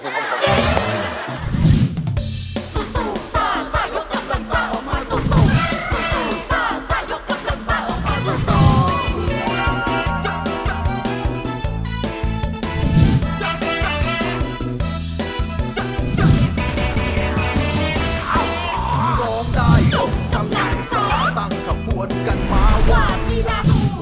การร้องได้ยกกำลังซ่าทรายกำวดกันมาว่างมีลักษณ์